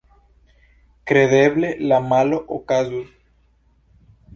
Kredeble la malo okazus.